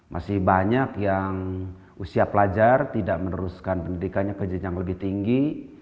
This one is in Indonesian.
masih banyak yang usia pelajar tidak meneruskan pendidikannya ke jenjang lebih tinggi